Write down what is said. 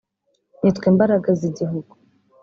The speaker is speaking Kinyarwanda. nitwe mbaraga z’igihugu